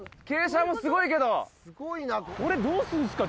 ・これどうするんすか？